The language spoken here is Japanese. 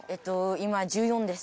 今１４です。